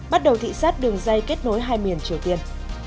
bắt đầu thị xác đường dây kết nối hai miền triều tiên